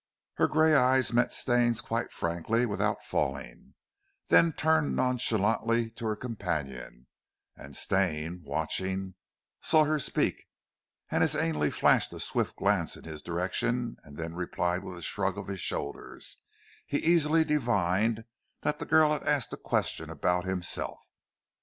Her grey eyes met Stane's quite frankly, without falling, then turned nonchalantly to her companion, and Stane, watching, saw her speak, and as Ainley flashed a swift glance in his direction, and then replied with a shrug of his shoulders, he easily divined that the girl had asked a question about himself.